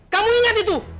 kamu ingat itu